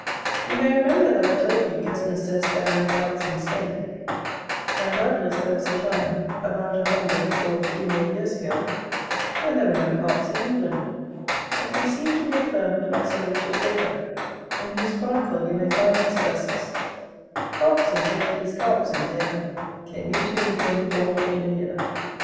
You may remember that I told you Gesner says there are no Pikes in Spain; and doubtless there was a time, about a hundred or a few more years ago, when there were no Carps in England, as may seem to be affirmed by Sir Richard Baker, in whose Chronicle you may find these verses: Hops and turkies, carps and beer, Came into England all in a year.